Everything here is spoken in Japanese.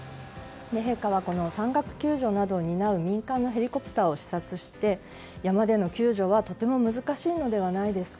陛下は、この山岳救助などを担う民間のヘリコプターを視察して山での救助はとても難しいのではないですか。